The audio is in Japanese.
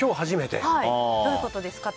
どういうことですか？